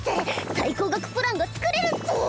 最高額プランが作れるっス。